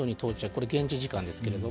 これ、現地時間ですが。